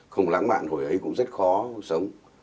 không lãng mạn hồi ấy cũng rất khó sống